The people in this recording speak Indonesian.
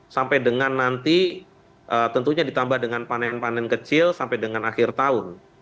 sampai dengan nanti tentunya ditambah dengan panen panen kecil sampai dengan akhir tahun